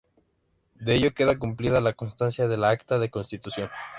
De ello queda cumplida constancia en el Acta de Constitución.